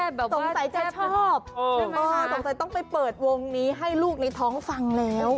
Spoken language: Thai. ใช่ไหมคะสงสัยต้องไปเปิดวงนี้ให้ลูกในท้องฟังแล้ว